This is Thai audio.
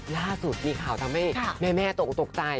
ล่าสุดมีข่าวทำให้แม่ตกตกใจ